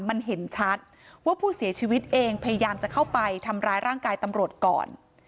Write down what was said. มันเห็นชัดว่าผู้เสียชีวิตเองพยายามจะเข้าไปทำร้ายร่างกายตำรวจก่อน